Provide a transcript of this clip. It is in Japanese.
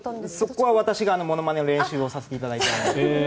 そこは私が物まねの練習をさせていただいた。